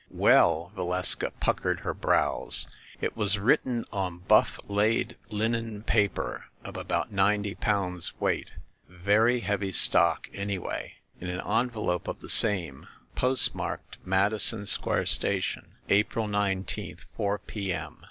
"Well," Valeska puckered her brows, "it was writ ten on buff laid linen paper of about ninety pounds weight ‚ÄĒ very heavy stock, anyway ‚ÄĒ in an envelope of the same, postmarked Madison Square station, April nineteenth, four P. M.